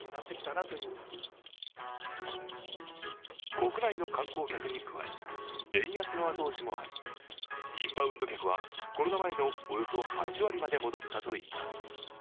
国内の観光客に加え、円安の後押しもあり、インバウンド客はコロナ前のおよそ８割まで戻ったといいます。